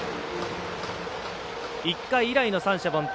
１回以来の三者凡退。